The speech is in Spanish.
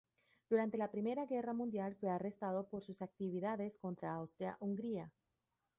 Durante la Primera Guerra Mundial fue arrestado por sus actividades contra Austria-Hungría.